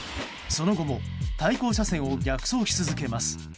その後も、対向車線を逆走し続けます。